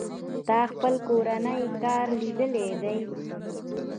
تا خپل کورنۍ کار ليکلى دئ.